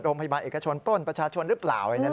โรงพยาบาลเอกชนปล้นประชาชนหรือเปล่า